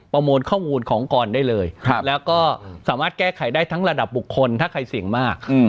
มูลข้อมูลขององค์กรได้เลยแล้วก็สามารถแก้ไขได้ทั้งระดับบุคคลถ้าใครเสี่ยงมาก